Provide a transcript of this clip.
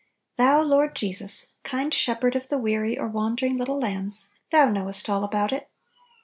Thou, Lord Jesus, kind' Shepherd of the weary or wander ing little lambs, Thou knowest all about it!